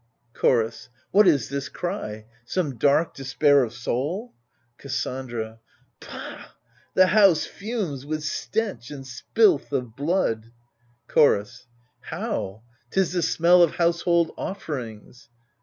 Chorus What is this cry ? some dark despair of soul ? Cassandra Pah 1 the house fumes with stench and spilth of blood. Chorus How ? 'tis the smell of household offerings.